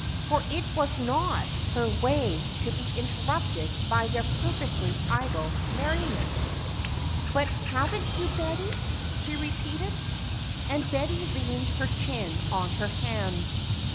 For it was not her way to be interrupted by their perfectly idle merriment. "But haven't you, Betty?" she repeated. And Betty leaned her chin on her hands.